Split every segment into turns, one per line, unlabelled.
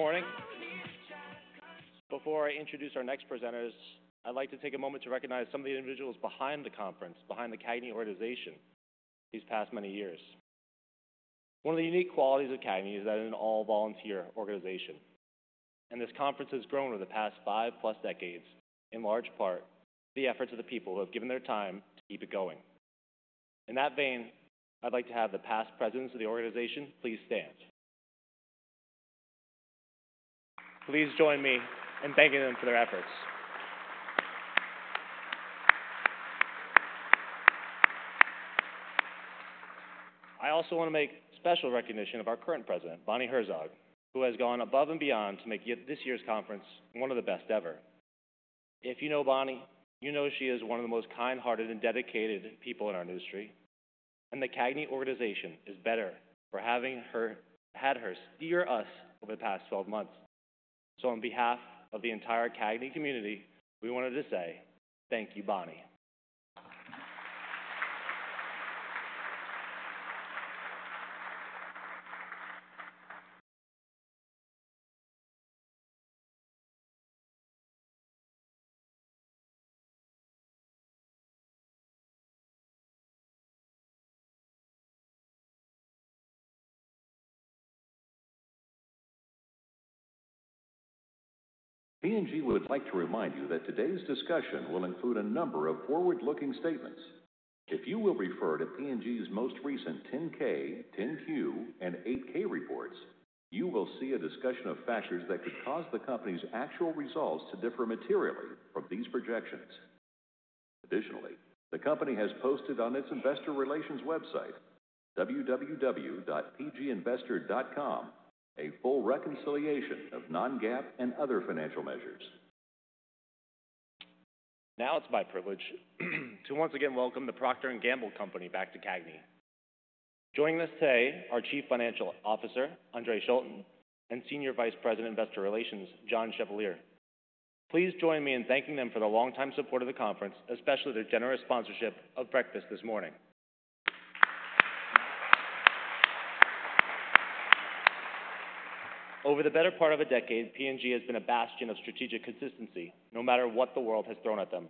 Good morning. Before I introduce our next presenters, I'd like to take a moment to recognize some of the individuals behind the conference, behind the CAGNY organization these past many years. One of the unique qualities of CAGNY is that it is an all-volunteer organization, and this conference has grown over the past five-plus decades in large part through the efforts of the people who have given their time to keep it going. In that vein, I'd like to have the past presidents of the organization please stand. Please join me in thanking them for their efforts. I also want to make special recognition of our current President, Bonnie Herzog, who has gone above and beyond to make this year's conference one of the best ever. If you know Bonnie, you know she is one of the most kind-hearted and dedicated people in our industry, and the CAGNY organization is better for having had her steer us over the past 12 months. So, on behalf of the entire CAGNY community, we wanted to say, thank you, Bonnie. P&G would like to remind you that today's discussion will include a number of forward-looking statements. If you will refer to P&G's most recent 10-K, 10-Q, and 8-K reports, you will see a discussion of factors that could cause the company's actual results to differ materially from these projections. Additionally, the company has posted on its investor relations website, www.pginvestor.com, a full reconciliation of non-GAAP and other financial measures. Now it's my privilege to once again welcome The Procter & Gamble Company back to CAGNY. Joining us today are Chief Financial Officer Andre Schulten, and Senior Vice President Investor Relations John Chevalier. Please join me in thanking them for their long-time support of the conference, especially their generous sponsorship of breakfast this morning. Over the better part of a decade, P&G has been a bastion of strategic consistency, no matter what the world has thrown at them.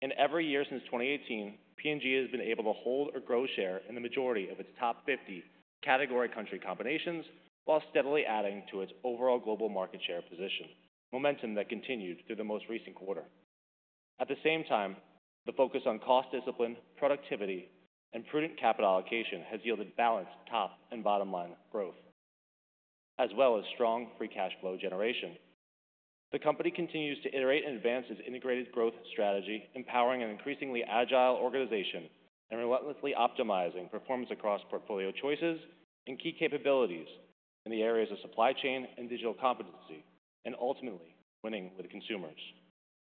In every year since 2018, P&G has been able to hold or grow share in the majority of its top 50 category country combinations, while steadily adding to its overall global market share position, momentum that continued through the most recent quarter. At the same time, the focus on cost discipline, productivity, and prudent capital allocation has yielded balanced top and bottom line growth, as well as strong free cash flow generation. The company continues to iterate and advance its integrated growth strategy, empowering an increasingly agile organization and relentlessly optimizing performance across portfolio choices and key capabilities in the areas of supply chain and digital competency, and ultimately winning with consumers.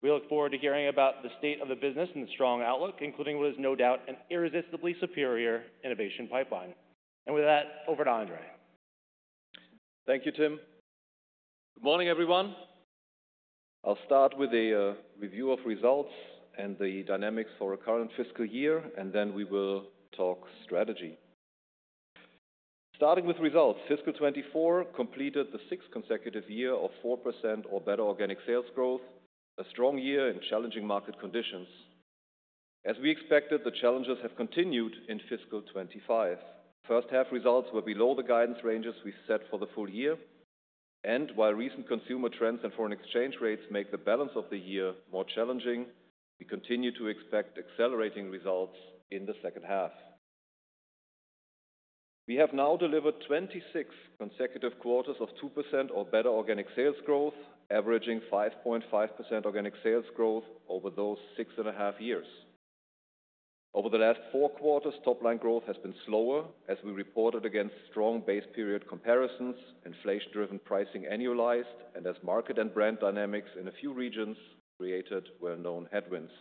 We look forward to hearing about the state of the business and the strong outlook, including what is no doubt an irresistibly superior innovation pipeline, and with that, over to Andre.
Thank you, Tim. Good morning, everyone. I'll start with a review of results and the dynamics for the current fiscal year, and then we will talk strategy. Starting with results, fiscal 2024 completed the sixth consecutive year of 4% or better organic sales growth, a strong year in challenging market conditions. As we expected, the challenges have continued in fiscal 2025. First-half results were below the guidance ranges we set for the full year, and while recent consumer trends and foreign exchange rates make the balance of the year more challenging, we continue to expect accelerating results in the second half. We have now delivered 26 consecutive quarters of 2% or better organic sales growth, averaging 5.5% organic sales growth over those six and a half years. Over the last four quarters, top-line growth has been slower, as we reported against strong base period comparisons, inflation-driven pricing annualized, and as market and brand dynamics in a few regions created well-known headwinds.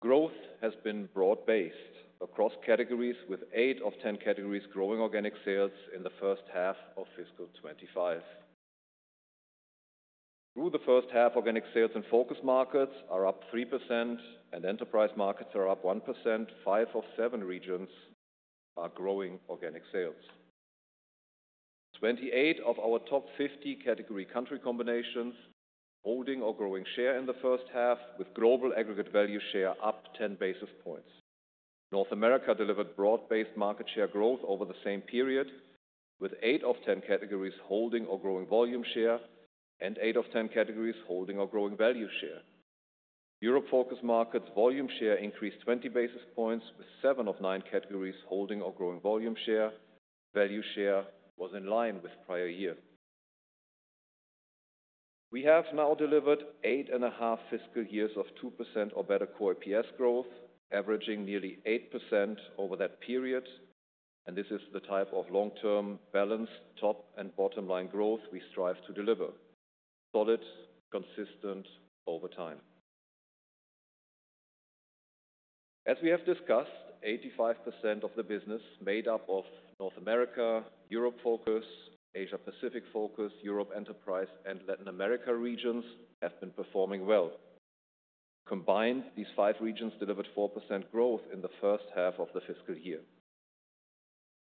Growth has been broad-based across categories, with 8 of 10 categories growing organic sales in the first half of fiscal 2025. Through the first half, organic sales in Focus Markets are up 3%, and Enterprise Markets are up 1%. Five of seven regions are growing organic sales. 28 of our top 50 category country combinations holding or growing share in the first half, with global aggregate value share up 10 basis points. North America delivered broad-based market share growth over the same period, with 8 of 10 categories holding or growing volume share and 8 of 10 categories holding or growing value share. Europe Focus Markets' volume share increased 20 basis points, with 7 of 9 categories holding or growing volume share. Value share was in line with prior year. We have now delivered eight and a half fiscal years of 2% or better core EPS growth, averaging nearly 8% over that period, and this is the type of long-term balanced top and bottom line growth we strive to deliver. Solid, consistent over time. As we have discussed, 85% of the business made up of North America, Europe Focus, Asia-Pacific Focus, Europe Enterprise, and Latin America regions have been performing well. Combined, these five regions delivered 4% growth in the first half of the fiscal year.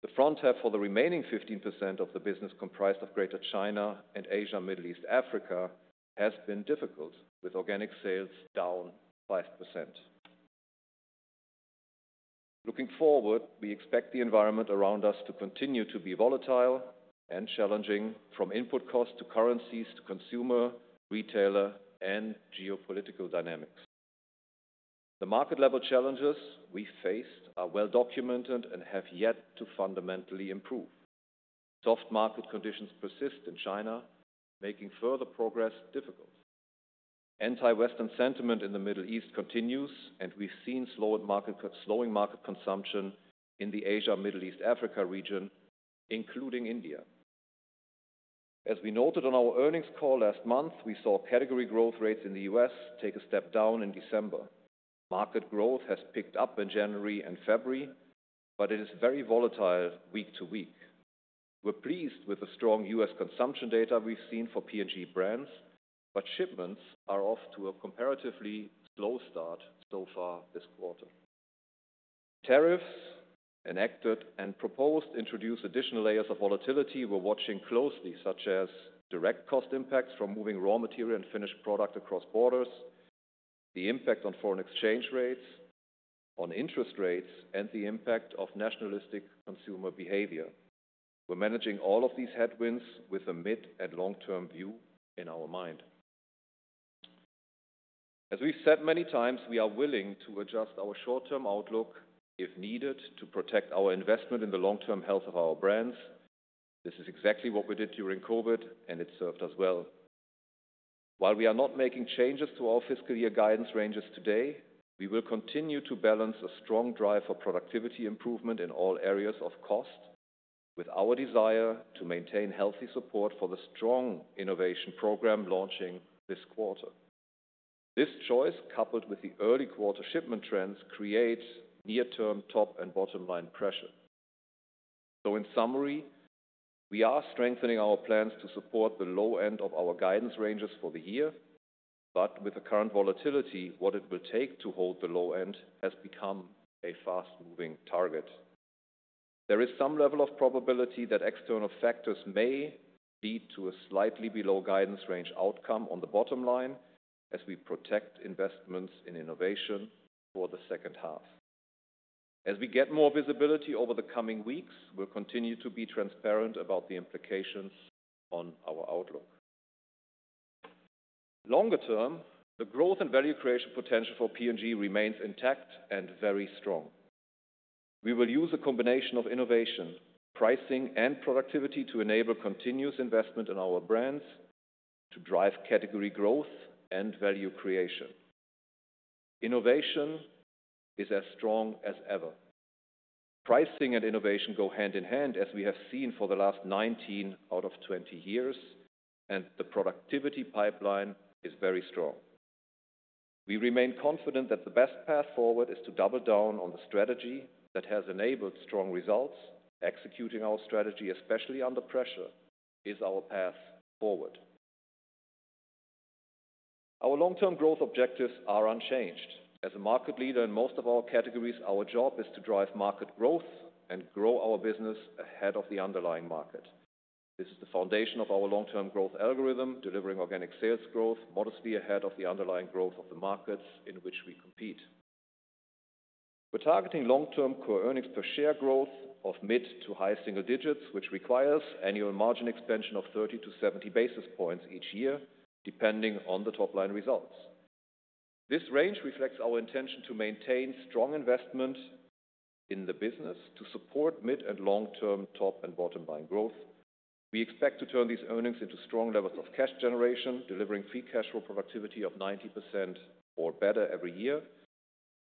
The front half for the remaining 15% of the business comprised of Greater China and Asia, Middle East, Africa has been difficult, with organic sales down 5%. Looking forward, we expect the environment around us to continue to be volatile and challenging, from input costs to currencies to consumer, retailer, and geopolitical dynamics. The market-level challenges we faced are well-documented and have yet to fundamentally improve. Soft market conditions persist in China, making further progress difficult. Anti-Western sentiment in the Middle East continues, and we've seen slowing market consumption in the Asia, Middle East, Africa region, including India. As we noted on our earnings call last month, we saw category growth rates in the U.S. take a step down in December. Market growth has picked up in January and February, but it is very volatile week to week. We're pleased with the strong U.S. consumption data we've seen for P&G brands, but shipments are off to a comparatively slow start so far this quarter. Tariffs enacted and proposed introduce additional layers of volatility we're watching closely, such as direct cost impacts from moving raw material and finished product across borders, the impact on foreign exchange rates, on interest rates, and the impact of nationalistic consumer behavior. We're managing all of these headwinds with a mid- and long-term view in our mind. As we've said many times, we are willing to adjust our short-term outlook if needed to protect our investment in the long-term health of our brands. This is exactly what we did during COVID, and it served us well. While we are not making changes to our fiscal year guidance ranges today, we will continue to balance a strong drive for productivity improvement in all areas of cost with our desire to maintain healthy support for the strong innovation program launching this quarter. This choice, coupled with the early quarter shipment trends, creates near-term top and bottom line pressure. So, in summary, we are strengthening our plans to support the low end of our guidance ranges for the year, but with the current volatility, what it will take to hold the low end has become a fast-moving target. There is some level of probability that external factors may lead to a slightly below guidance range outcome on the bottom line as we protect investments in innovation for the second half. As we get more visibility over the coming weeks, we'll continue to be transparent about the implications on our outlook. Longer term, the growth and value creation potential for P&G remains intact and very strong. We will use a combination of innovation, pricing, and productivity to enable continuous investment in our brands to drive category growth and value creation. Innovation is as strong as ever. Pricing and innovation go hand in hand, as we have seen for the last 19 out of 20 years, and the productivity pipeline is very strong. We remain confident that the best path forward is to double down on the strategy that has enabled strong results. Executing our strategy, especially under pressure, is our path forward. Our long-term growth objectives are unchanged. As a market leader in most of our categories, our job is to drive market growth and grow our business ahead of the underlying market. This is the foundation of our long-term growth algorithm, delivering organic sales growth modestly ahead of the underlying growth of the markets in which we compete. We're targeting long-term core earnings per share growth of mid to high single digits, which requires annual margin expansion of 30-70 basis points each year, depending on the top-line results. This range reflects our intention to maintain strong investment in the business to support mid and long-term top and bottom line growth. We expect to turn these earnings into strong levels of cash generation, delivering free cash flow productivity of 90% or better every year.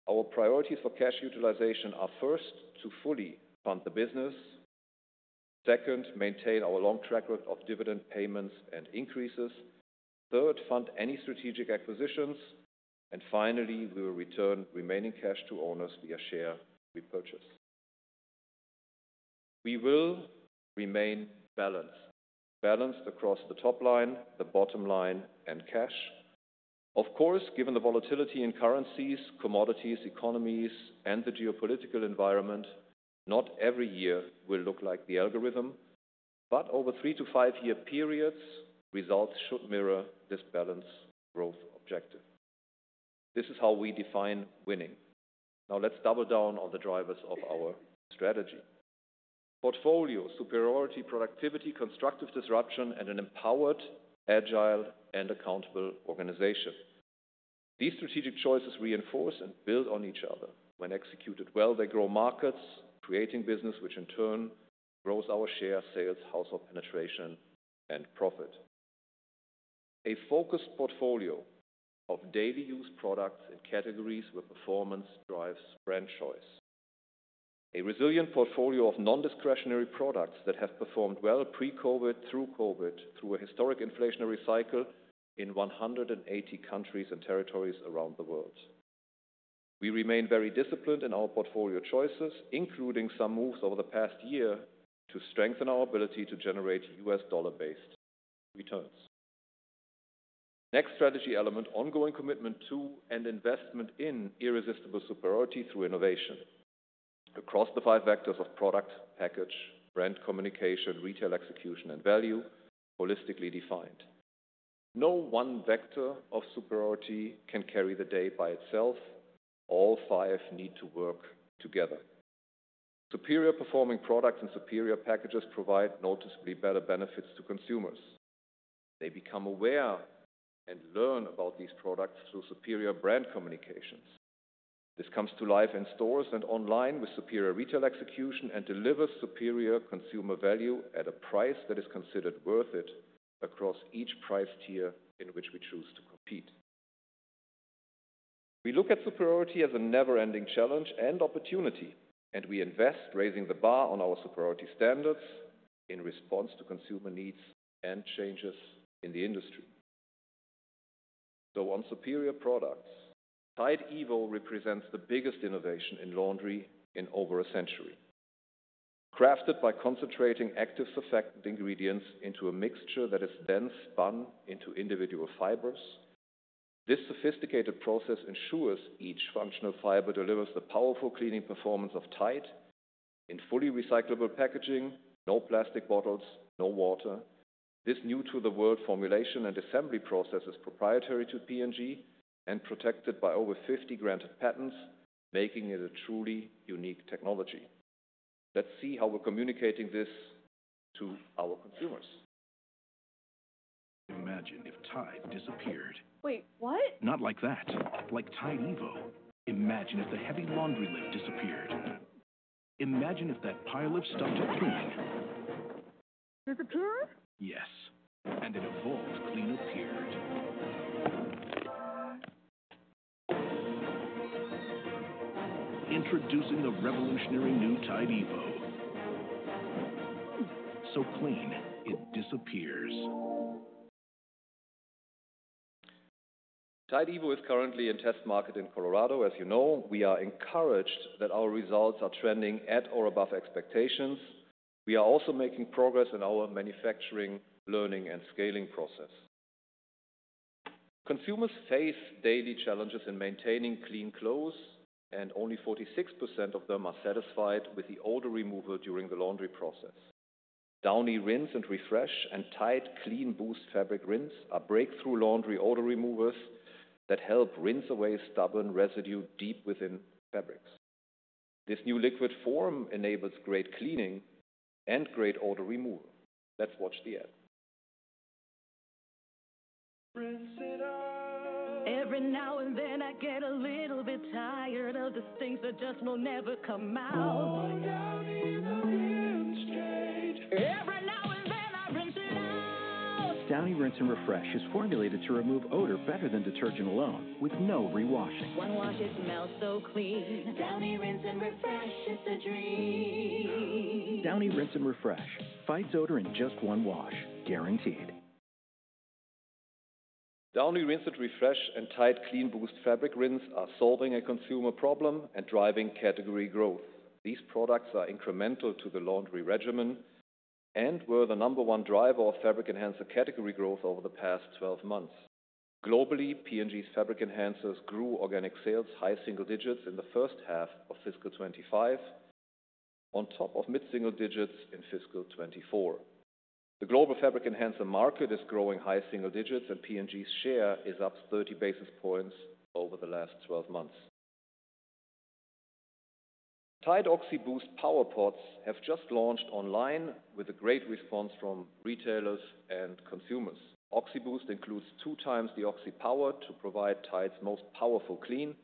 Our priorities for cash utilization are first, to fully fund the business. Second, maintain our long track record of dividend payments and increases. Third, fund any strategic acquisitions. And finally, we will return remaining cash to owners via share repurchase. We will remain balanced across the top line, the bottom line, and cash. Of course, given the volatility in currencies, commodities, economies, and the geopolitical environment, not every year will look like the algorithm, but over three- to five-year periods, results should mirror this balanced growth objective. This is how we define winning. Now let's double down on the drivers of our strategy: portfolio superiority, productivity, constructive disruption, and an empowered, agile, and accountable organization. These strategic choices reinforce and build on each other. When executed well, they grow markets, creating business which in turn grows our share sales, household penetration, and profit. A focused portfolio of daily-use products in categories where performance drives brand choice. A resilient portfolio of non-discretionary products that have performed well pre-COVID, through COVID, through a historic inflationary cycle in 180 countries and territories around the world. We remain very disciplined in our portfolio choices, including some moves over the past year to strengthen our ability to generate U.S. dollar-based returns. Next strategy element: ongoing commitment to and investment in irresistible superiority through innovation. Across the five vectors of product, package, brand communication, retail execution, and value, holistically defined. No one vector of superiority can carry the day by itself. All five need to work together. Superior performing products and superior packages provide noticeably better benefits to consumers. They become aware and learn about these products through superior brand communications. This comes to life in stores and online with superior retail execution and delivers superior consumer value at a price that is considered worth it across each price tier in which we choose to compete. We look at superiority as a never-ending challenge and opportunity, and we invest raising the bar on our superiority standards in response to consumer needs and changes in the industry. So, on superior products, Tide evo represents the biggest innovation in laundry in over a century. Crafted by concentrating active surfactant ingredients into a mixture that is then spun into individual fibers, this sophisticated process ensures each functional fiber delivers the powerful cleaning performance of Tide in fully recyclable packaging. No plastic bottles, no water. This new-to-the-world formulation and assembly process is proprietary to P&G and protected by over 50 granted patents, making it a truly unique technology. Let's see how we're communicating this to our consumers. Imagine if Tide disappeared. Wait, what? Not like that. Like Tide evo. Imagine if the heavy laundry lift disappeared. Imagine if that pile of stuff just cleaned. Disappeared? Yes. And an evolved clean appeared. Introducing the revolutionary new Tide evo. So clean, it disappears. Tide evo is currently in test market in Colorado. As you know, we are encouraged that our results are trending at or above expectations. We are also making progress in our manufacturing, learning, and scaling process. Consumers face daily challenges in maintaining clean clothes, and only 46% of them are satisfied with the odor removal during the laundry process. Downy Rinse & Refresh and Tide Clean Boost Fabric Rinse are breakthrough laundry odor removers that help rinse away stubborn residue deep within fabrics. This new liquid form enables great cleaning and great odor removal. Let's watch the ad. Every now and then I get a little bit tired of the stinks that just will never come out. Downy Rinse and Refresh is formulated to remove odor better than detergent alone, with no rewashing. One wash, it smells so clean. Downy Rinse and Refresh is the dream. Downy Rinse and Refresh fights odor in just one wash, guaranteed. Downy Rinse and Refresh and Tide Clean Boost Fabric Rinse are solving a consumer problem and driving category growth. These products are incremental to the laundry regimen and were the number one driver of fabric enhancer category growth over the past 12 months. Globally, P&G's fabric enhancers grew organic sales high single digits in the first half of fiscal 2025, on top of mid-single digits in fiscal 2024. The global fabric enhancer market is growing high single digits, and P&G's share is up 30 basis points over the last 12 months. Tide OXI Boost Power PODS have just launched online with a great response from retailers and consumers. OXI Boost includes two times the OXI Power to provide Tide's most powerful clean.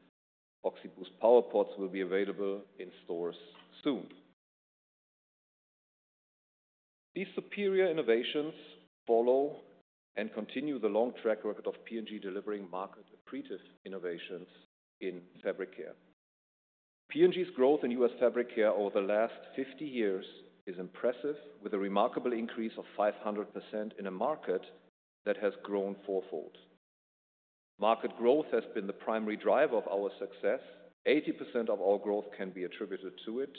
OXI Boost Power PODS will be available in stores soon. These superior innovations follow and continue the long track record of P&G delivering market-appreciative innovations in fabric care. P&G's growth in U.S. fabric care over the last 50 years is impressive, with a remarkable increase of 500% in a market that has grown fourfold. Market growth has been the primary driver of our success. 80% of our growth can be attributed to it,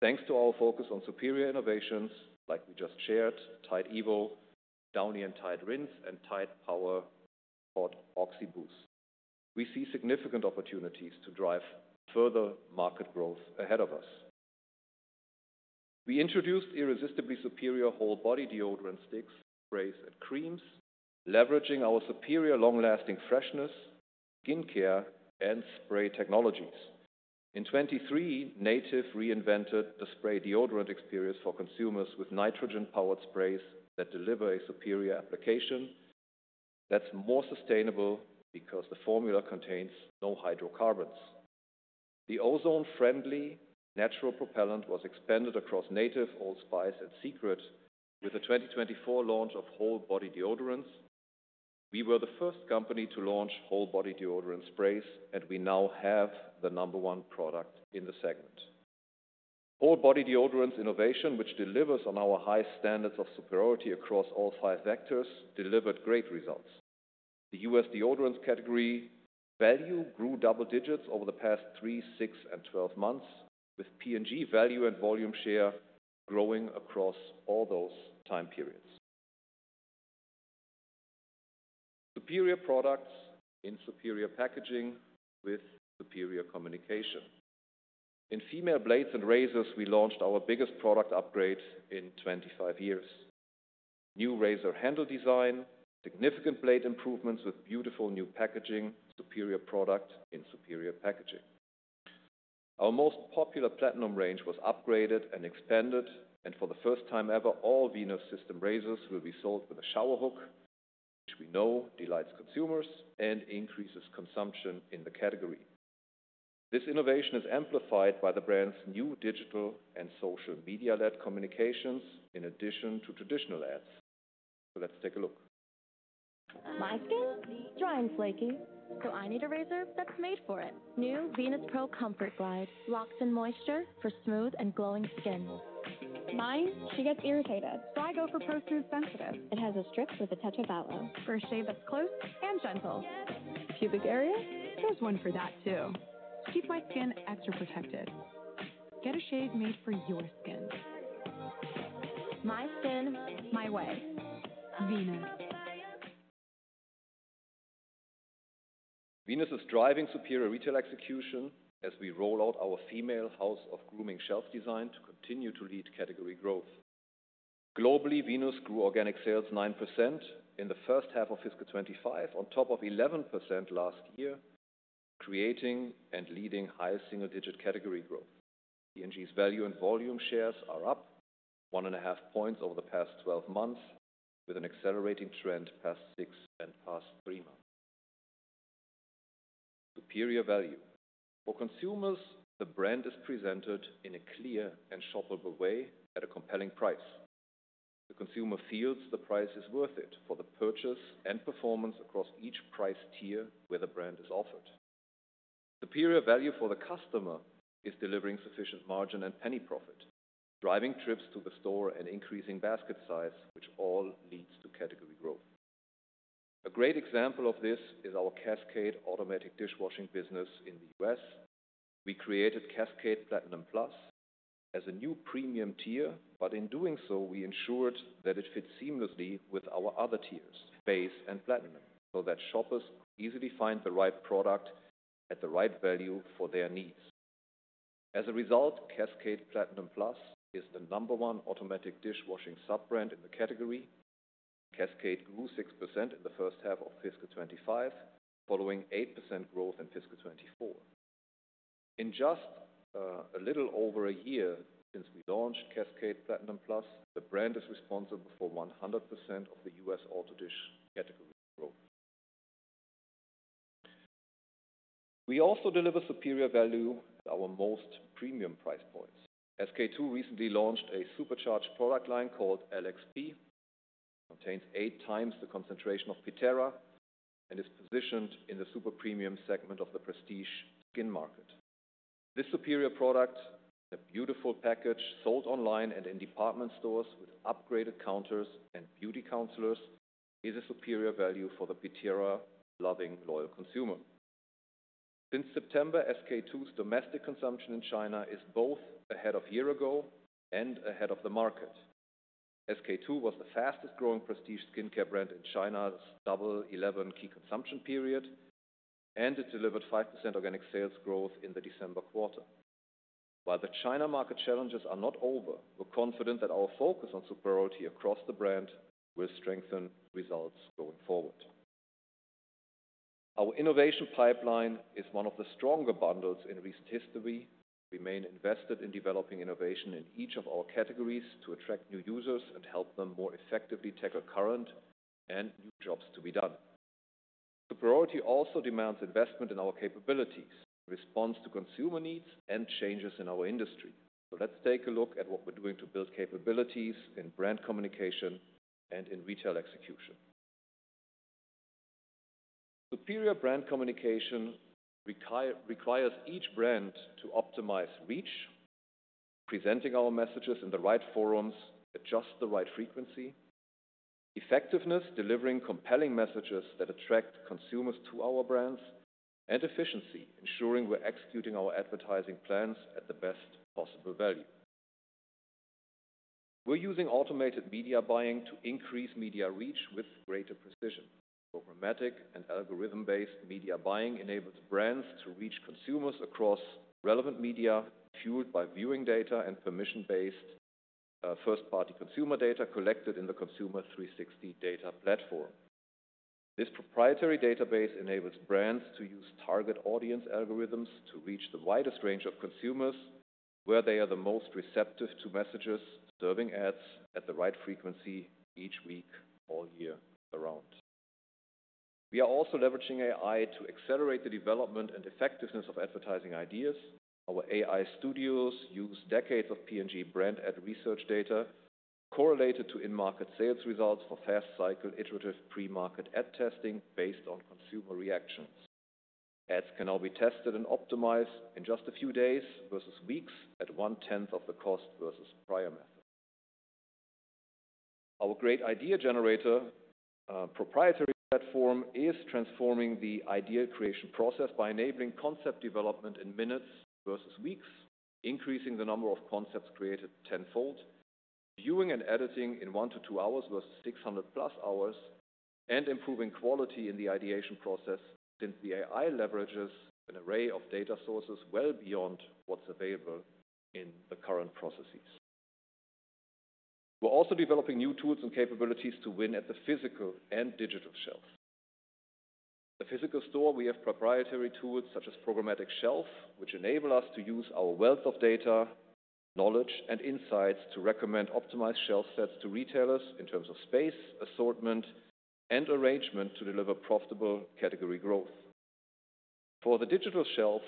thanks to our focus on superior innovations like we just shared: Tide evo, Downy and Tide Rinse, and Tide OXI Boost Power PODS. We see significant opportunities to drive further market growth ahead of us. We introduced irresistibly superior whole body deodorant sticks, sprays, and creams, leveraging our superior long-lasting freshness, skincare, and spray technologies. In 2023, Native reinvented the spray deodorant experience for consumers with nitrogen-powered sprays that deliver a superior application that's more sustainable because the formula contains no hydrocarbons. The ozone-friendly natural propellant was expanded across Native, Old Spice, and Secret with the 2024 launch of whole body deodorants. We were the first company to launch whole body deodorant sprays, and we now have the number one product in the segment. Whole body deodorant innovation, which delivers on our high standards of superiority across all five vectors, delivered great results. The U.S. deodorant category value grew double digits over the past 3, 6, and 12 months, with P&G value and volume share growing across all those time periods. Superior products in superior packaging with superior communication. In female blades and razors, we launched our biggest product upgrade in 25 years. New razor handle design, significant blade improvements with beautiful new packaging, superior product in superior packaging. Our most popular platinum range was upgraded and expanded, and for the first time ever, all Venus system razors will be sold with a shower hook, which we know delights consumers and increases consumption in the category. This innovation is amplified by the brand's new digital and social media-led communications in addition to traditional ads. So let's take a look. My skin? Dry and flaky. So I need a razor that's made for it. New Venus PRO ComfortGlide. Locks in moisture for smooth and glowing skin. Mine, she gets irritated. So I go for PRO Smooth Sensitive. It has a strip with a touch of aloe. For a shave that's close and gentle. Pubic area? There's one for that too. To keep my skin extra protected. Get a shave made for your skins. My skin, my way. Venus. Venus is driving superior retail execution as we roll out our female house of grooming shelf design to continue to lead category growth. Globally, Venus grew organic sales 9% in the first half of fiscal 2025, on top of 11% last year, creating and leading high single-digit category growth. P&G's value and volume shares are up 1.5 points over the past 12 months, with an accelerating trend past six and past three months. Superior value. For consumers, the brand is presented in a clear and shoppable way at a compelling price. The consumer feels the price is worth it for the purchase and performance across each price tier where the brand is offered. Superior value for the customer is delivering sufficient margin and penny profit, driving trips to the store and increasing basket size, which all leads to category growth. A great example of this is our Cascade automatic dishwashing business in the U.S. We created Cascade Platinum Plus as a new premium tier, but in doing so, we ensured that it fits seamlessly with our other tiers, base and platinum, so that shoppers could easily find the right product at the right value for their needs. As a result, Cascade Platinum Plus is the number one automatic dishwashing sub-brand in the category. Cascade grew 6% in the first half of fiscal 2025, following 8% growth in fiscal 2024. In just a little over a year since we launched Cascade Platinum Plus, the brand is responsible for 100% of the U.S. auto dish category growth. We also deliver superior value at our most premium price points. SK-II recently launched a supercharged product line called LXP. It contains eight times the concentration of PITERA and is positioned in the super premium segment of the Prestige skin market. This superior product and a beautiful package sold online and in department stores with upgraded counters and beauty counselors is a superior value for the PITERA-loving, loyal consumer. Since September, SK-II's domestic consumption in China is both ahead of year-ago and ahead of the market. SK-II was the fastest-growing Prestige skincare brand in China's Double 11 key consumption period, and it delivered 5% organic sales growth in the December quarter. While the China market challenges are not over, we're confident that our focus on superiority across the brand will strengthen results going forward. Our innovation pipeline is one of the stronger bundles in recent history. We remain invested in developing innovation in each of our categories to attract new users and help them more effectively tackle current and new jobs to be done. Superiority also demands investment in our capabilities, response to consumer needs, and changes in our industry. So let's take a look at what we're doing to build capabilities in brand communication and in retail execution. Superior brand communication requires each brand to optimize reach, presenting our messages in the right forums at just the right frequency, effectiveness delivering compelling messages that attract consumers to our brands, and efficiency, ensuring we're executing our advertising plans at the best possible value. We're using automated media buying to increase media reach with greater precision. Programmatic and algorithm-based media buying enables brands to reach consumers across relevant media, fueled by viewing data and permission-based first-party consumer data collected in the Consumer 360 data platform. This proprietary database enables brands to use target audience algorithms to reach the widest range of consumers where they are the most receptive to messages serving ads at the right frequency each week, all year around. We are also leveraging AI to accelerate the development and effectiveness of advertising ideas. Our AI Studios use decades of P&G brand ad research data correlated to in-market sales results for fast-cycle iterative pre-market ad testing based on consumer reactions. Ads can now be tested and optimized in just a few days versus weeks at one-tenth of the cost versus prior method. Our Great Idea Generator proprietary platform is transforming the idea creation process by enabling concept development in minutes versus weeks, increasing the number of concepts created tenfold, viewing and editing in one to two hours versus 600-plus hours, and improving quality in the ideation process since the AI leverages an array of data sources well beyond what's available in the current processes. We're also developing new tools and capabilities to win at the physical and digital shelf. At the physical store, we have proprietary tools such as Programmatic Shelf, which enable us to use our wealth of data, knowledge, and insights to recommend optimized shelf sets to retailers in terms of space, assortment, and arrangement to deliver profitable category growth. For the digital shelf,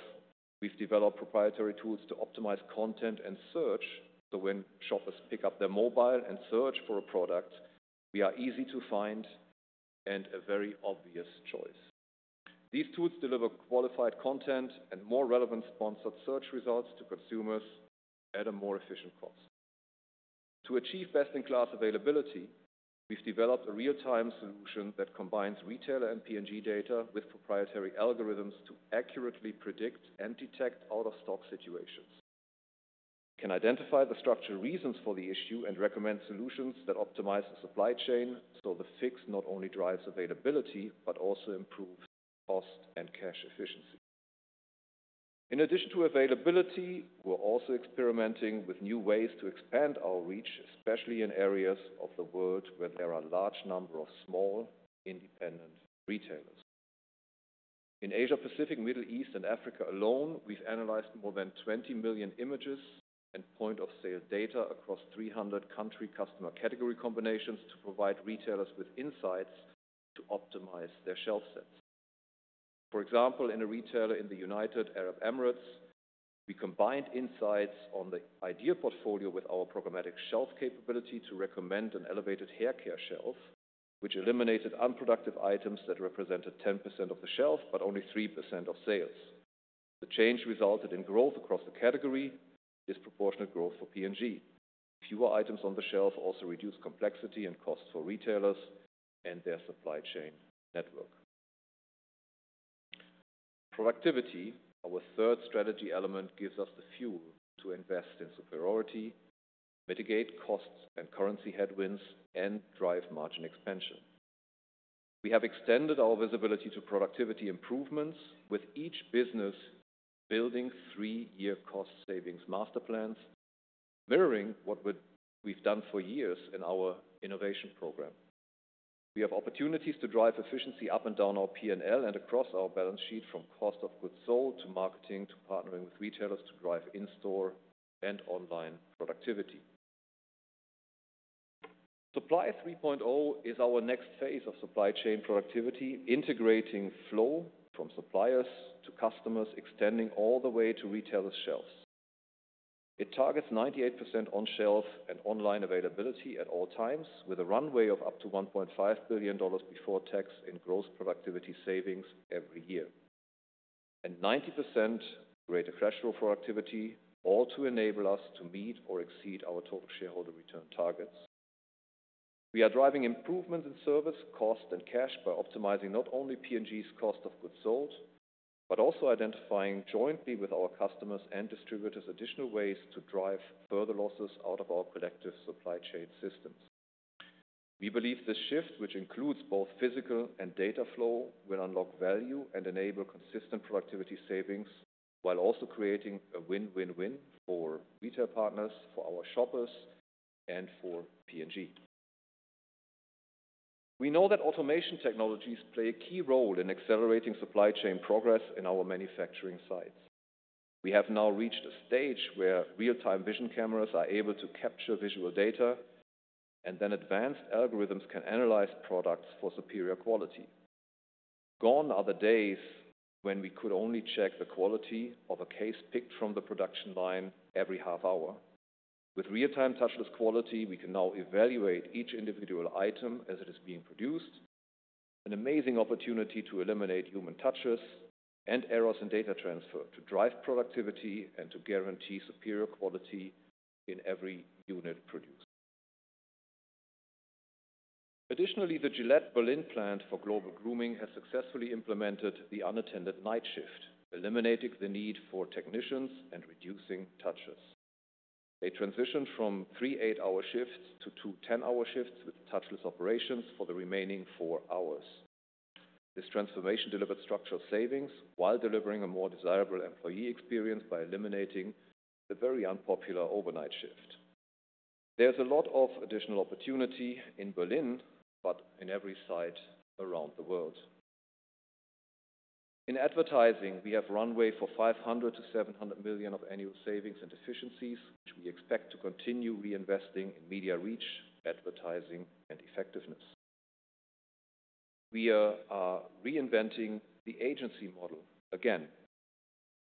we've developed proprietary tools to optimize content and search so when shoppers pick up their mobile and search for a product, we are easy to find and a very obvious choice. These tools deliver qualified content and more relevant sponsored search results to consumers at a more efficient cost. To achieve best-in-class availability, we've developed a real-time solution that combines retailer and P&G data with proprietary algorithms to accurately predict and detect out-of-stock situations. We can identify the structural reasons for the issue and recommend solutions that optimize the supply chain so the fix not only drives availability but also improves cost and cash efficiency. In addition to availability, we're also experimenting with new ways to expand our reach, especially in areas of the world where there are a large number of small independent retailers. In Asia-Pacific, Middle East, and Africa alone, we've analyzed more than 20 million images and point-of-sale data across 300 country customer category combinations to provide retailers with insights to optimize their shelf sets. For example, in a retailer in the United Arab Emirates, we combined insights on the idea portfolio with our Programmatic Shelf capability to recommend an elevated haircare shelf, which eliminated unproductive items that represented 10% of the shelf but only 3% of sales. The change resulted in growth across the category, disproportionate growth for P&G. Fewer items on the shelf also reduced complexity and cost for retailers and their supply chain network. Productivity, our third strategy element, gives us the fuel to invest in superiority, mitigate costs and currency headwinds, and drive margin expansion. We have extended our visibility to productivity improvements with each business building three-year cost savings master plans, mirroring what we've done for years in our innovation program. We have opportunities to drive efficiency up and down our P&L and across our balance sheet from cost of goods sold to marketing to partnering with retailers to drive in-store and online productivity. Supply 3.0 is our next phase of supply chain productivity, integrating flow from suppliers to customers, extending all the way to retailers' shelves. It targets 98% on-shelf and online availability at all times, with a runway of up to $1.5 billion before tax in gross productivity savings every year, and 90% greater threshold productivity, all to enable us to meet or exceed our total shareholder return targets. We are driving improvements in service, cost, and cash by optimizing not only P&G's cost of goods sold but also identifying jointly with our customers and distributors additional ways to drive further losses out of our collective supply chain systems. We believe this shift, which includes both physical and data flow, will unlock value and enable consistent productivity savings while also creating a win-win-win for retail partners, for our shoppers, and for P&G. We know that automation technologies play a key role in accelerating supply chain progress in our manufacturing sites. We have now reached a stage where real-time vision cameras are able to capture visual data, and then advanced algorithms can analyze products for superior quality. Gone are the days when we could only check the quality of a case picked from the production line every half hour. With real-time touchless quality, we can now evaluate each individual item as it is being produced, an amazing opportunity to eliminate human touches and errors in data transfer to drive productivity and to guarantee superior quality in every unit produced. Additionally, the Gillette Berlin plant for global grooming has successfully implemented the Unattended Night Shift, eliminating the need for technicians and reducing touches. They transitioned from three eight-hour shifts to two ten-hour shifts with touchless operations for the remaining four hours. This transformation delivered structural savings while delivering a more desirable employee experience by eliminating the very unpopular overnight shift. There's a lot of additional opportunity in Berlin, but in every site around the world. In advertising, we have runway for $500 million-$700 million of annual savings and efficiencies, which we expect to continue reinvesting in media reach, advertising, and effectiveness. We are reinventing the agency model again.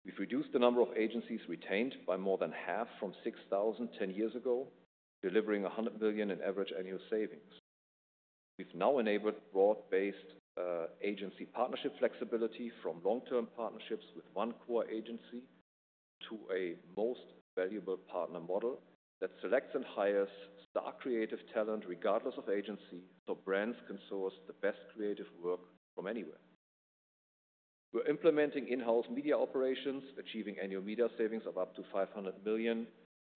We've reduced the number of agencies retained by more than half from 6,000 ten years ago, delivering $100 million in average annual savings. We've now enabled broad-based agency partnership flexibility from long-term partnerships with one core agency to a most valuable partner model that selects and hires star creative talent regardless of agency so brands can source the best creative work from anywhere. We're implementing in-house media operations, achieving annual media savings of up to $500 million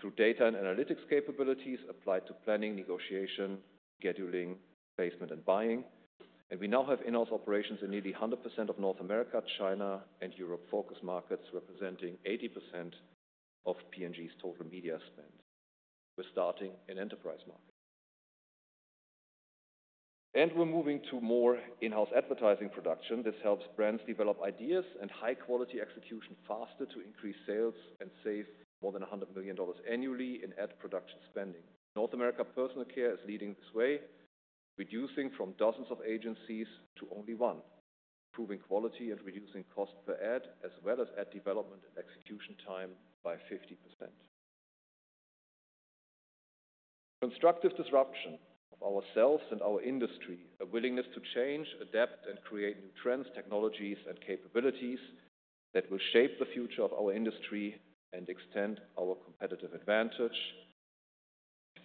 through data and analytics capabilities applied to planning, negotiation, scheduling, placement, and buying, and we now have in-house operations in nearly 100% of North America, China, and Europe-focused markets representing 80% of P&G's total media spend. We're starting in enterprise market, and we're moving to more in-house advertising production. This helps brands develop ideas and high-quality execution faster to increase sales and save more than $100 million annually in ad production spending. North America personal care is leading this way, reducing from dozens of agencies to only one, improving quality and reducing cost per ad as well as ad development and execution time by 50%. Constructive disruption of ourselves and our industry, a willingness to change, adapt, and create new trends, technologies, and capabilities that will shape the future of our industry and extend our competitive advantage.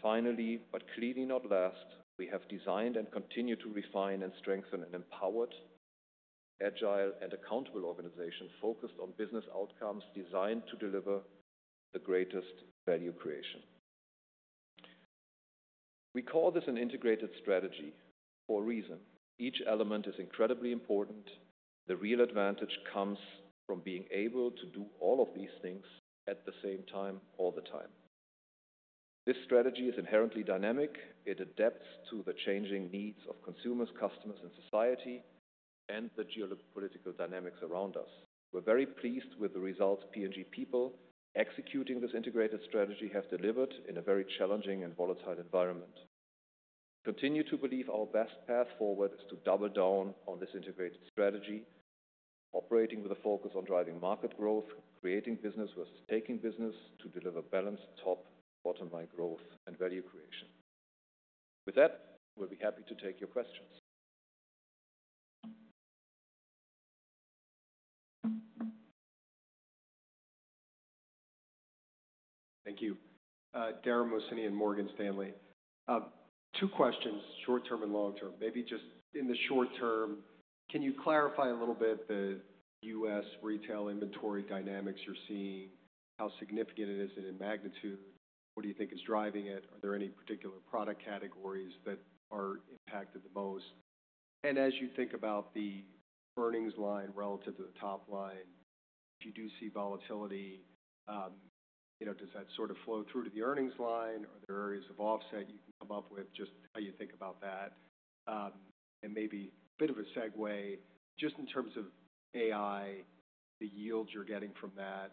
Finally, but clearly not last, we have designed and continue to refine and strengthen an empowered, agile, and accountable organization focused on business outcomes designed to deliver the greatest value creation. We call this an integrated strategy for a reason. Each element is incredibly important. The real advantage comes from being able to do all of these things at the same time all the time. This strategy is inherently dynamic. It adapts to the changing needs of consumers, customers, and society, and the geopolitical dynamics around us. We're very pleased with the results P&G people executing this integrated strategy have delivered in a very challenging and volatile environment. We continue to believe our best path forward is to double down on this integrated strategy, operating with a focus on driving market growth, creating business versus taking business to deliver balanced top-to-bottom line growth and value creation. With that, we'll be happy to take your questions.
Thank you, Dara Mohsenian, Morgan Stanley. Two questions, short term and long term. Maybe just in the short term, can you clarify a little bit the U.S. retail inventory dynamics you're seeing, how significant it is in magnitude? What do you think is driving it? Are there any particular product categories that are impacted the most? As you think about the earnings line relative to the top line, if you do see volatility, does that sort of flow through to the earnings line? Are there areas of offset you can come up with? Just how you think about that. And maybe a bit of a segue just in terms of AI, the yields you're getting from that.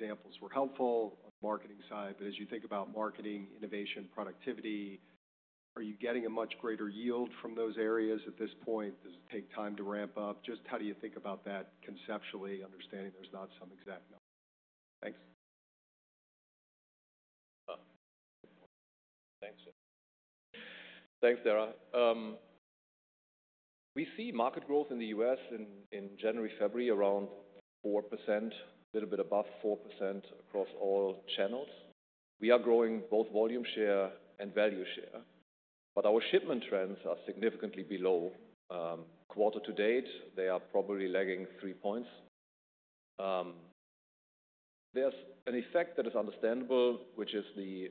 Examples were helpful on the marketing side. But as you think about marketing, innovation, productivity, are you getting a much greater yield from those areas at this point? Does it take time to ramp up? Just how do you think about that conceptually, understanding there's not some exact number? Thanks.
Thanks, Dara. We see market growth in the U.S. in January-February around 4%, a little bit above 4% across all channels. We are growing both volume share and value share. But our shipment trends are significantly below quarter to date. They are probably lagging 3 points. There's an effect that is understandable, which is the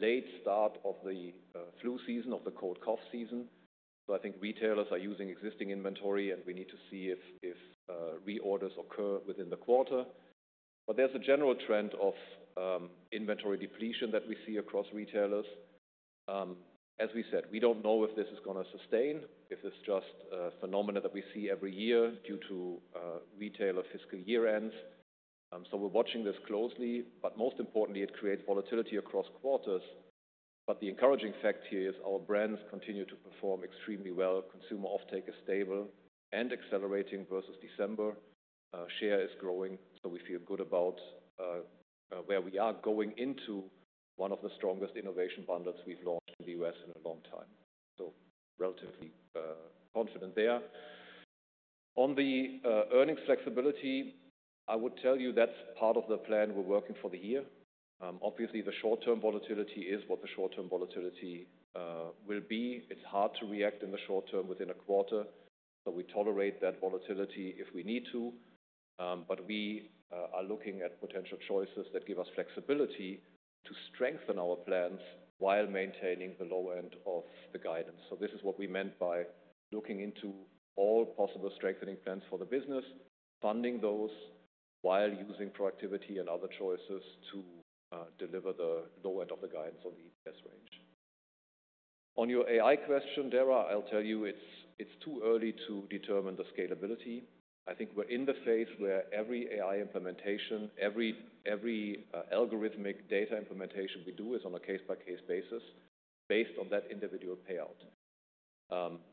late start of the flu season, of the cold cough season. So I think retailers are using existing inventory, and we need to see if reorders occur within the quarter. But there's a general trend of inventory depletion that we see across retailers. As we said, we don't know if this is going to sustain, if it's just a phenomenon that we see every year due to retailer fiscal year-ends. So we're watching this closely. But most importantly, it creates volatility across quarters. But the encouraging fact here is our brands continue to perform extremely well. Consumer offtake is stable and accelerating versus December. Share is growing, so we feel good about where we are going into one of the strongest innovation bundles we've launched in the U.S. in a long time. So relatively confident there. On the earnings flexibility, I would tell you that's part of the plan we're working for the year. Obviously, the short-term volatility is what the short-term volatility will be. It's hard to react in the short term within a quarter, so we tolerate that volatility if we need to. But we are looking at potential choices that give us flexibility to strengthen our plans while maintaining the low end of the guidance. So this is what we meant by looking into all possible strengthening plans for the business, funding those while using productivity and other choices to deliver the low end of the guidance on the EPS range. On your AI question, Dara, I'll tell you it's too early to determine the scalability. I think we're in the phase where every AI implementation, every algorithmic data implementation we do is on a case-by-case basis based on that individual payout.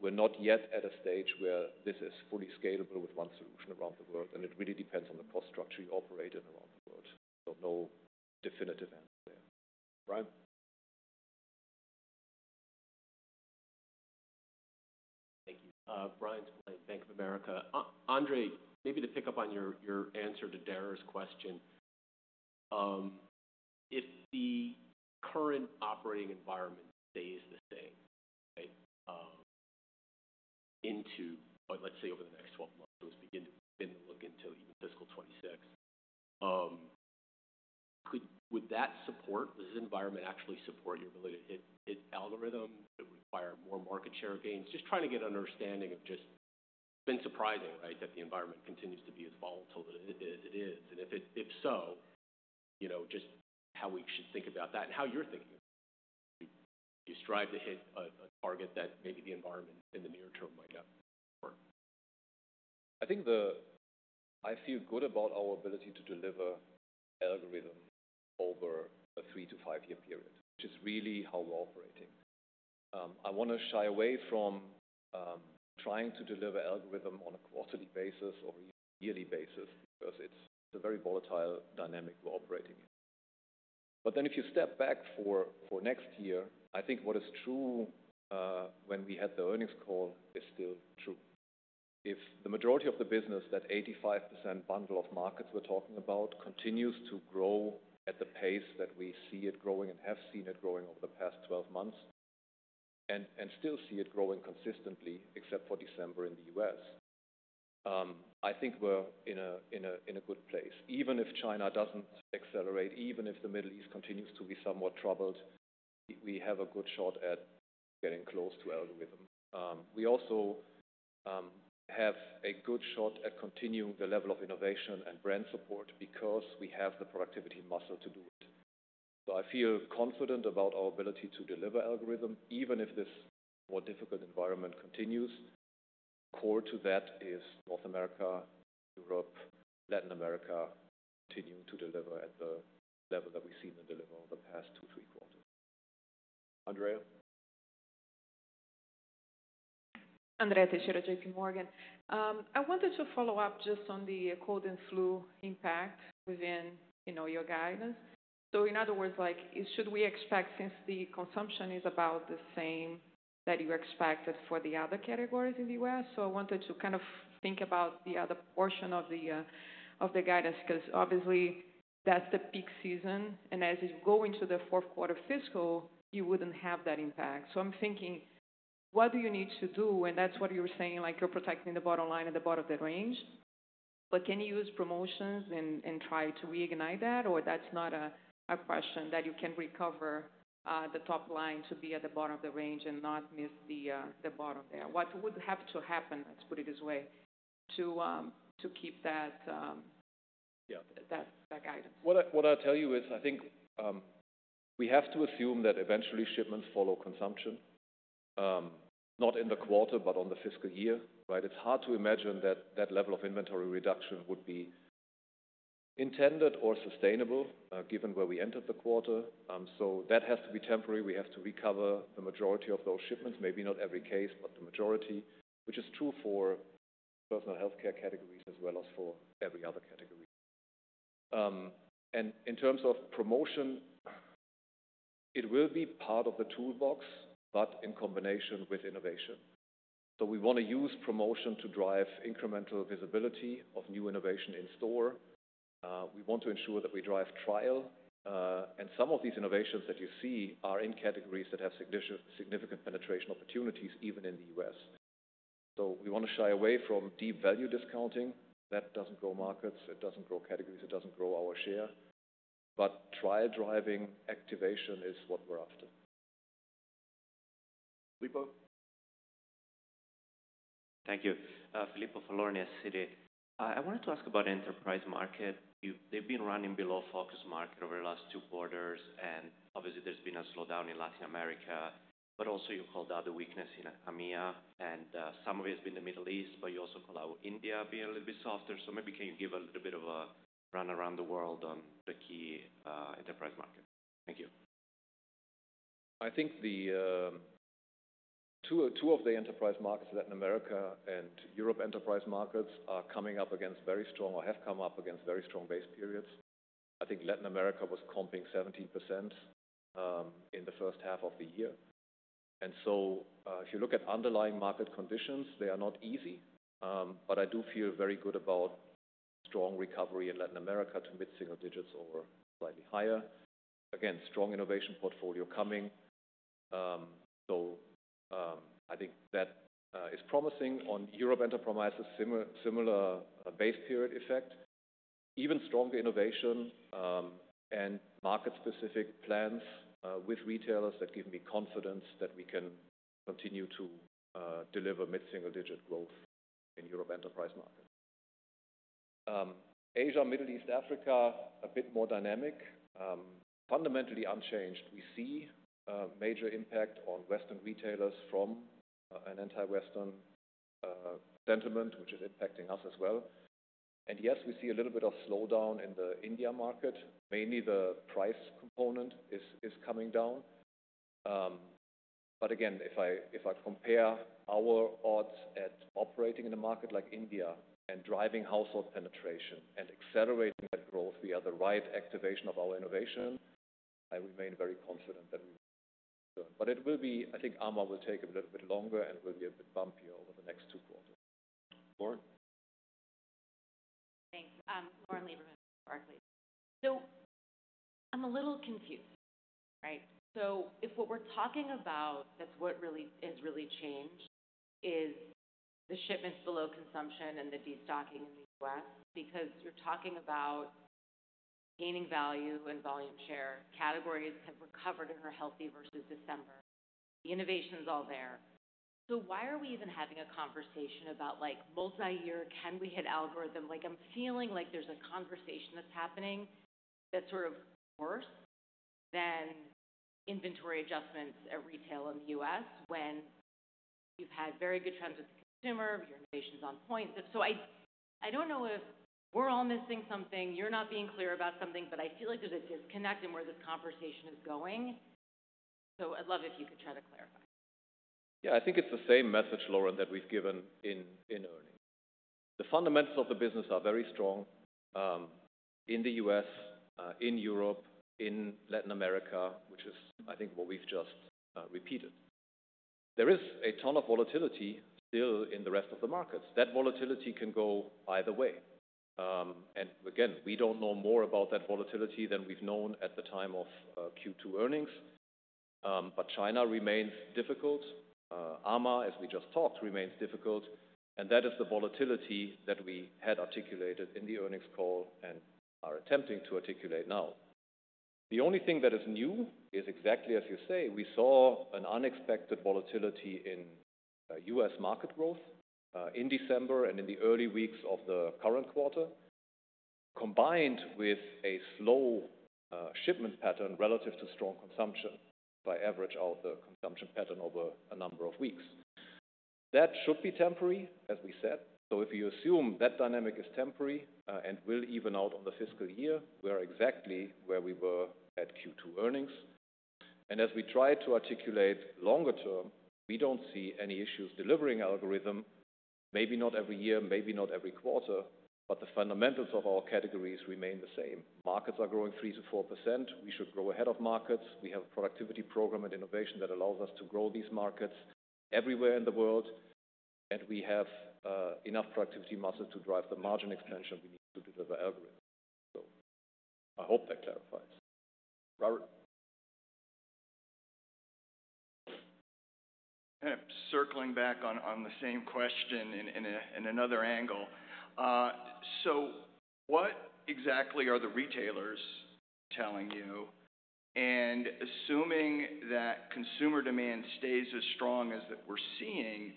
We're not yet at a stage where this is fully scalable with one solution around the world, and it really depends on the cost structure you operate in around the world. Don't know definitive answer there. Bryan.
Thank you. Bryan Spillane, Bank of America. Andre, maybe to pick up on your answer to Dara's question, if the current operating environment stays the same, right, into let's say over the next 12 months, so let's begin to look into even fiscal 2026, would that support, does this environment actually support your ability to hit algorithm? Would it require more market share gains? Just trying to get an understanding of just it's been surprising, right, that the environment continues to be as volatile as it is. If so, just how we should think about that and how you're thinking about it. Do you strive to hit a target that maybe the environment in the near term might not work?
I think I feel good about our ability to deliver algorithm over a three- to five-year period, which is really how we're operating. I want to shy away from trying to deliver algorithm on a quarterly basis or yearly basis because it's a very volatile dynamic we're operating in. Then if you step back for next year, I think what is true when we had the earnings call is still true. If the majority of the business, that 85% bundle of markets we're talking about, continues to grow at the pace that we see it growing and have seen it growing over the past 12 months and still see it growing consistently, except for December in the U.S., I think we're in a good place. Even if China doesn't accelerate, even if the Middle East continues to be somewhat troubled, we have a good shot at getting close to algorithm. We also have a good shot at continuing the level of innovation and brand support because we have the productivity muscle to do it. So I feel confident about our ability to deliver algorithm even if this more difficult environment continues. Core to that is North America, Europe, Latin America continuing to deliver at the level that we've seen them deliver over the past two, three quarters. Andrea.
Andrea Teixeira, JPMorgan. I wanted to follow up just on the cold and flu impact within your guidance. So in other words, should we expect since the consumption is about the same that you expected for the other categories in the U.S.? So I wanted to kind of think about the other portion of the guidance because obviously, that's the peak season. And as you go into the fourth quarter fiscal, you wouldn't have that impact. So I'm thinking, what do you need to do? And that's what you were saying, like you're protecting the bottom line at the bottom of the range. But can you use promotions and try to reignite that? Or that's not a question that you can recover the top line to be at the bottom of the range and not miss the bottom there? What would have to happen, let's put it this way, to keep that guidance?
What I'll tell you is I think we have to assume that eventually shipments follow consumption, not in the quarter, but on the fiscal year, right? It's hard to imagine that that level of inventory reduction would be intended or sustainable given where we entered the quarter. So that has to be temporary. We have to recover the majority of those shipments, maybe not every case, but the majority, which is true for personal healthcare categories as well as for every other category. And in terms of promotion, it will be part of the toolbox, but in combination with innovation. So we want to use promotion to drive incremental visibility of new innovation in store. We want to ensure that we drive trial. And some of these innovations that you see are in categories that have significant penetration opportunities even in the U.S. So we want to shy away from deep value discounting. That doesn't grow markets. It doesn't grow categories. It doesn't grow our share. But trial driving activation is what we're after. Filippo.
Thank you. Filippo Falorni, Citi. I wanted to ask about Enterprise Markets. They've been running below Focus Markets over the last two quarters. And obviously, there's been a slowdown in Latin America. But also you called out the weakness in AMEA. And some of it has been the Middle East, but you also call out India being a little bit softer. So maybe can you give a little bit of a rundown around the world on the key Enterprise Markets? Thank you.
I think two of the Enterprise Markets, Latin America and Europe Enterprise Markets, are coming up against very strong or have come up against very strong base periods. I think Latin America was comping 17% in the first half of the year, and so if you look at underlying market conditions, they are not easy, but I do feel very good about strong recovery in Latin America to mid-single digits or slightly higher. Again, strong innovation portfolio coming, so I think that is promising on Europe Enterprises, similar base period effect. Even stronger innovation and market-specific plans with retailers that give me confidence that we can continue to deliver mid-single digit growth in Europe Enterprise market. Asia, Middle East, Africa, a bit more dynamic. Fundamentally unchanged. We see major impact on Western retailers from an anti-Western sentiment, which is impacting us as well. And yes, we see a little bit of slowdown in the India market. Mainly the price component is coming down. But again, if I compare our odds at operating in a market like India and driving household penetration and accelerating that growth via the right activation of our innovation, I remain very confident that we will. But it will be, I think AMEA will take a little bit longer and will be a bit bumpier over the next two quarters. Lauren.
Thanks. Lauren Lieberman with Barclays. So I'm a little confused, right? So if what we're talking about, that's what really has really changed, is the shipments below consumption and the destocking in the U.S. because you're talking about gaining value and volume share. Categories have recovered and are healthy versus December. The innovation is all there. So why are we even having a conversation about multi-year? Can we hit algorithm? I'm feeling like there's a conversation that's happening that's sort of worse than inventory adjustments at retail in the U.S. when you've had very good trends with the consumer, your innovation's on point. So I don't know if we're all missing something, you're not being clear about something, but I feel like there's a disconnect in where this conversation is going. So I'd love if you could try to clarify.
Yeah. I think it's the same message, Lauren, that we've given in earnings. The fundamentals of the business are very strong in the U.S., in Europe, in Latin America, which is, I think, what we've just repeated. There is a ton of volatility still in the rest of the markets. That volatility can go either way. And again, we don't know more about that volatility than we've known at the time of Q2 earnings. China remains difficult. AMEA, as we just talked, remains difficult. That is the volatility that we had articulated in the earnings call and are attempting to articulate now. The only thing that is new is exactly as you say. We saw an unexpected volatility in U.S. market growth in December and in the early weeks of the current quarter, combined with a slow shipment pattern relative to strong consumption, which averages out the consumption pattern over a number of weeks. That should be temporary, as we said. If you assume that dynamic is temporary and will even out over the fiscal year, we're exactly where we were at Q2 earnings. As we try to articulate longer term, we don't see any issues delivering all of them, maybe not every year, maybe not every quarter, but the fundamentals of our categories remain the same. Markets are growing 3%-4%. We should grow ahead of markets. We have a productivity program and innovation that allows us to grow these markets everywhere in the world. And we have enough productivity muscle to drive the margin expansion we need to deliver algorithm. So I hope that clarifies. Robert. Circling back on the same question in another angle. So what exactly are the retailers telling you? And assuming that consumer demand stays as strong as that we're seeing,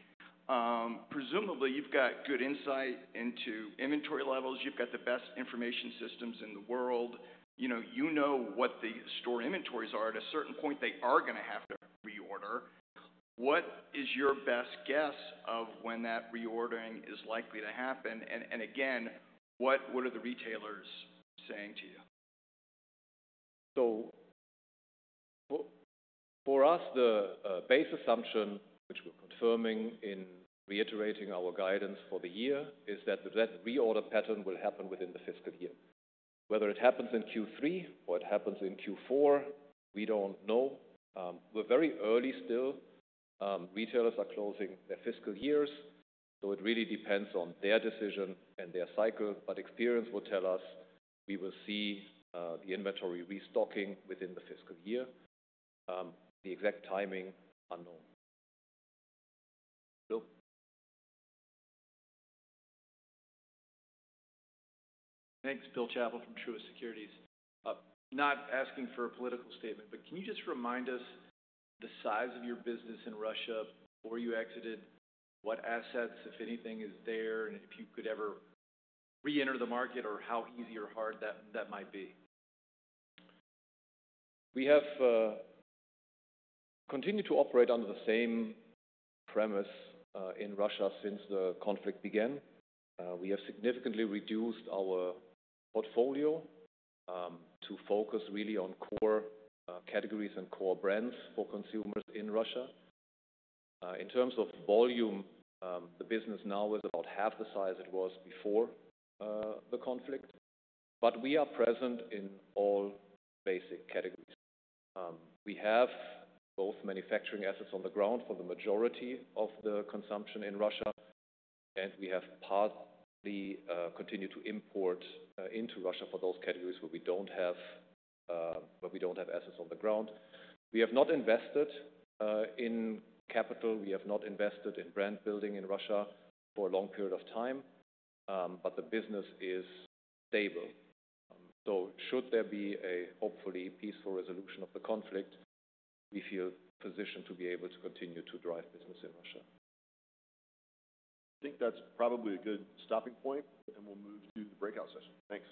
presumably you've got good insight into inventory levels. You've got the best information systems in the world. You know what the store inventories are. At a certain point, they are going to have to reorder. What is your best guess of when that reordering is likely to happen? And again, what are the retailers saying to you? So for us, the base assumption, which we're confirming in reiterating our guidance for the year, is that the reorder pattern will happen within the fiscal year. Whether it happens in Q3 or it happens in Q4, we don't know. We're very early still. Retailers are closing their fiscal years. So it really depends on their decision and their cycle. But experience will tell us we will see the inventory restocking within the fiscal year. The exact timing is unknown. Bill.
Thanks. Bill Chappell from Truist Securities. Not asking for a political statement, but can you just remind us the size of your business in Russia before you exited? What assets, if anything, is there? And if you could ever re-enter the market or how easy or hard that might be?
We have continued to operate under the same premise in Russia since the conflict began. We have significantly reduced our portfolio to focus really on core categories and core brands for consumers in Russia. In terms of volume, the business now is about half the size it was before the conflict. But we are present in all basic categories. We have both manufacturing assets on the ground for the majority of the consumption in Russia. And we have partly continued to import into Russia for those categories where we don't have assets on the ground. We have not invested in capital. We have not invested in brand building in Russia for a long period of time. But the business is stable. So should there be a hopefully peaceful resolution of the conflict, we feel positioned to be able to continue to drive business in Russia. I think that's probably a good stopping point. And we'll move to the breakout session. Thanks.